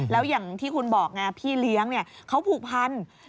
แล้วอย่างที่คุณบอกไงพี่เลี้ยงเขาผูกพัน